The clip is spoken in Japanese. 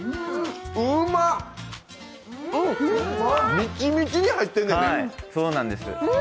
みちみちに入ってるんだね。